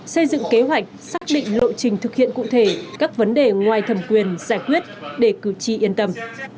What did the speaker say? xây dựng kế hoạch xác định lộ trình thực hiện cụ thể các vấn đề ngoài thẩm quyền giải quyết để cử tri yên tâm